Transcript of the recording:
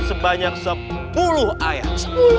sebanyak sepuluh ayat